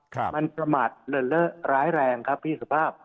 ครับมันประมาทเลินเล่อร้ายแรงครับพี่สุภาพ